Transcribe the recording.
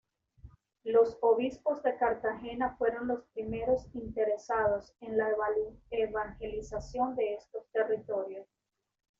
Los Obispos de Cartagena fueron los primeros interesados en la evangelización de estos territorios.